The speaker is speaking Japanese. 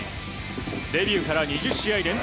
デビューから２０試合連続